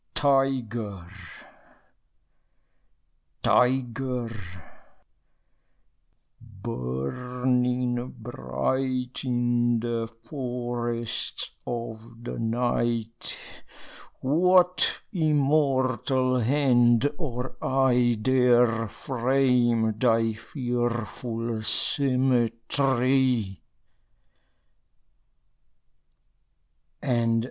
Tyger, tyger, burning bright In the forests of the night, What immortal hand or eye Dare frame thy fearful symmetry?